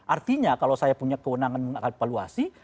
artinya kalau saya punya kewenangan akan evaluasi